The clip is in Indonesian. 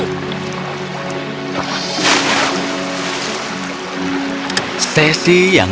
oh itu dia